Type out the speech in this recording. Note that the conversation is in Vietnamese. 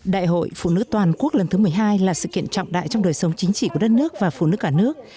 đại hội phụ nữ toàn quốc lần thứ một mươi hai là sự kiện trọng đại trong đời sống chính trị của đất nước và phụ nữ cả nước